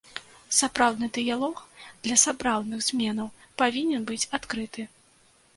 Сапраўдны дыялог, для сапраўдных зменаў, павінен быць адкрыты.